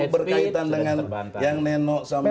berkaitan dengan yang neno sama